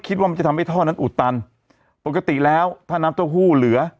คิดว่ามันจะทำให้ท่อนั้นอุดตันปกติแล้วถ้าน้ำเต้าหู้เหลือ